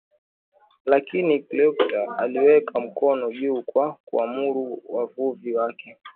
lakini Cleopatra aliweka mkono juu kwa kuamuru wavuvi wake